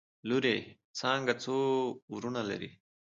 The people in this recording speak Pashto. لورې څانګه څو وروڼه لري؟؟